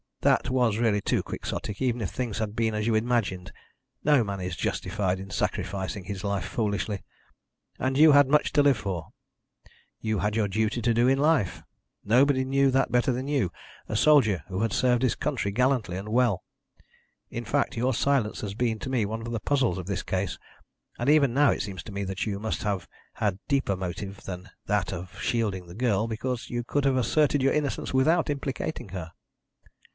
That was really too quixotic, even if things had been as you imagined. No man is justified in sacrificing his life foolishly. And you had much to live for. You had your duty to do in life. Nobody knew that better than you a soldier who had served his country gallantly and well. In fact, your silence has been to me one of the puzzles of this case, and even now it seems to me that you must have had a deeper motive than that of shielding the girl, because you could have asserted your innocence without implicating her."